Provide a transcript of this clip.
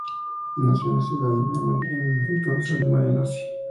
Nació en la ciudad de Bremen, en la entonces Alemania Nazi.